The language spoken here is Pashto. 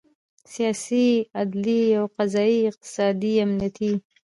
سیاسي، عدلي او قضایي، اقتصادي، امنیتي